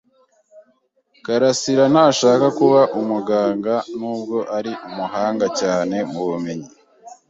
karasira ntashaka kuba umuganga, nubwo ari umuhanga cyane mubumenyi.